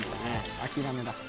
諦めだ。